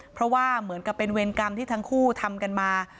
เพราะว่าเหมือนกับเป็นเวรกรรมที่ทั้งคู่ทำกันมา